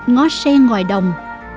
ngó sen ngoài đồng